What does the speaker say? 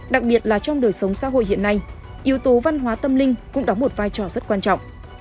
đặc biệt là trong đời sống xã hội hiện nay yếu tố văn hóa tâm linh cũng đóng một vai trò rất quan trọng